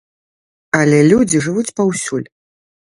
Але людзі жывуць паўсюль.